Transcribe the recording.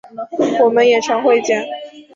我们演唱会见！